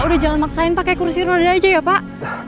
udah jangan maksain pakai kursi roda aja ya pak